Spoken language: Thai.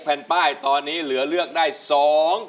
เพลงนี้สี่หมื่นบาทเอามาดูกันนะครับ